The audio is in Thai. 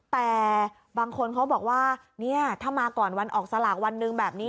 แต่บางคนเขาบอกว่าเนี่ยถ้ามาก่อนวันออกสลากวันหนึ่งแบบนี้